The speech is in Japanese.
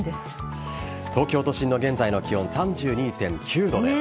東京都心の現在の気温３２．９度です。